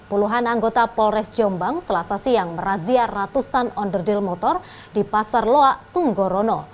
puluhan anggota polres jombang selasa siang merazia ratusan onderdil motor di pasar loak tunggorono